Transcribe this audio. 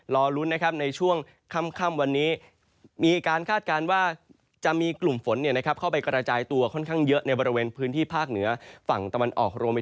รอลุ้นนะครับในช่วงค่ำวันนี้มีการคาดการณ์ว่าจะมีกลุ่มฝนเข้าไปกระจายตัวค่อนข้างเยอะในบริเวณพื้นที่ภาคเหนือฝั่งตะวันออกรวมไปถึง